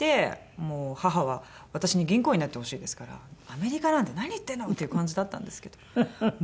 もう母は私に銀行員になってほしいですから「アメリカなんて何言ってんの！」っていう感じだったんですけどま